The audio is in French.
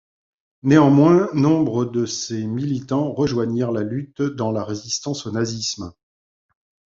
Néanmoins, nombre de ses militants rejoignirent la lutte dans la résistance au nazisme.